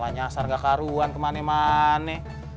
nggak keharuan ke mane mane